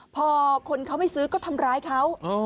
พอคนเขาไม่ซื้อก็ทำร้ายเขา